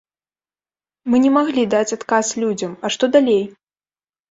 Мы не маглі даць адказ людзям, а што далей?